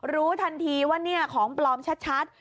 รู้ทันทีว่าเนี่ยของปลอมชัด